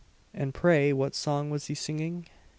"And pray what song was he singing?"